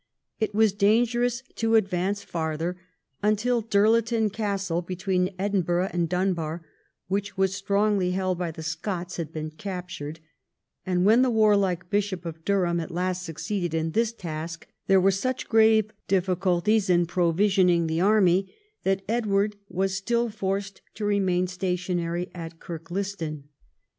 It was danger ous to advance farther until Dirleton Castle, between Edinburgh and Dunbar, which was strongly held by the Scots, had been captured ; and when the warlike Bishop of Durham at last succeeded in this task, there were such grave difficulties in provisioning the army that Edward was still forced to remain stationary at Kirkliston.